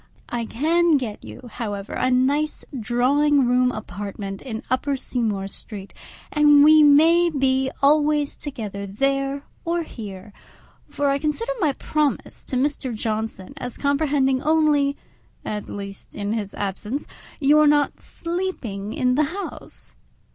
I can get you, however, a nice drawing room apartment in Upper Seymour Street, and we may be always together there or here; for I consider my promise to Mr. Johnson as comprehending only (at least in his absence) your not sleeping in the house.